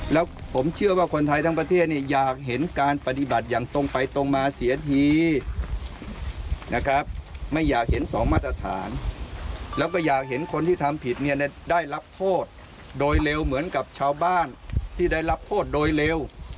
แล้วผมเชื่อว่าคนไทยทั้งประเทศเนี่ยอยากเห็นการปฏิบัติอย่างตรงไปตรงมาเสียทีนะครับไม่อยากเห็นสองมาตรฐานแล้วก็อยากเห็นคนที่ทำผิดเนี่ยได้รับโทษโดยเร็วเหมือนกับชาวบ้านที่ได้รับโทษโดยเร็ว